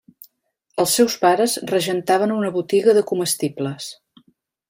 Els seus pares regentaven una botiga de comestibles.